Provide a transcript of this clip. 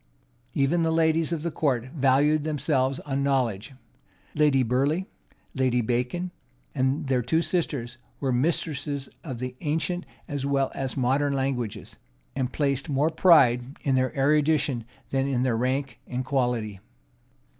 Even the ladies of the court valued themselves on knowledge: Lady Burleigh, Lady Bacon, and their two sisters, were mistresses of the ancient as well as modern languages; and placed more pride in their erudition than in their rank and quality.